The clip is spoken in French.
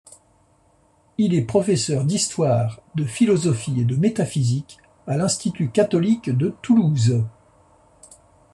Il est professeur d'histoire, de philosophie et de métaphysique à l'Institut catholique de Toulouse.